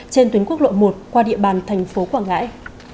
trên tuyến quốc lộ một qua địa bàn thành phố quảng ngãi